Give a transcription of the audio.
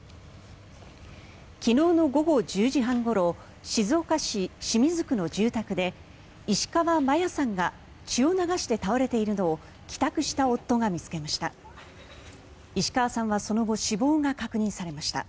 昨日の午後１０時半ごろ静岡市清水区の住宅で石川真矢さんが血を流して倒れているのを帰宅した夫が見つけました。